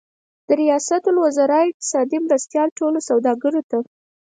د ریاست الوزار اقتصادي مرستیال ټولو سوداګرو ته